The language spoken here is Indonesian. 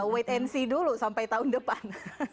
wnc dulu sampai tahun depan